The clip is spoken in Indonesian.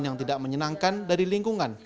yang tidak menyenangkan dari lingkungan